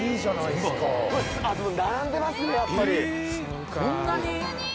でも並んでますねやっぱり。